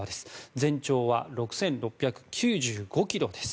全長は６６９５ｋｍです。